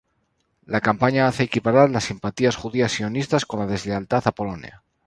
La campaña hace equiparar las simpatías judías sionistas con la deslealtad a Polonia.